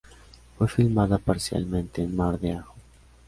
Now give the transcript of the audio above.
Fue filmada parcialmente en Mar de Ajó.